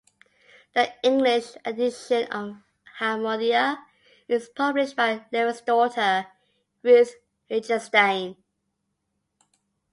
The English edition of "Hamodia" is published by Levin's daughter, Ruth Lichtenstein.